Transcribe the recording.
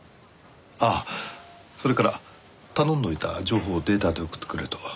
ああそれから頼んでおいた情報をデータで送ってくれると。